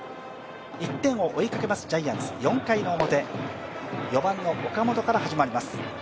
１点を追いかけますジャイアンツ、４回表、４番の岡本から始まります。